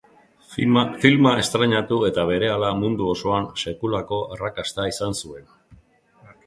Filma estreinatu eta berehala, mundu osoan sekulako arrakasta izan zuen.